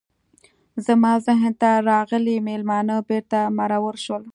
زما ذهن ته راغلي میلمانه بیرته مرور شول.